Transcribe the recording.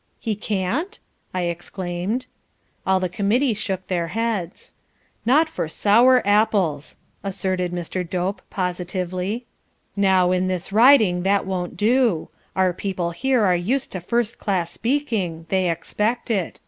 "He can't?" I exclaimed. All the Committee shook their heads. "Not for sour apples!" asserted Mr. Dope positively. "Now, in this riding that won't do. Our people here are used to first class speaking, they expect it.